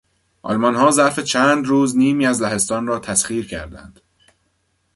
آلمانها ظرف چند روز نیمی از لهستان را تسخیر کردند.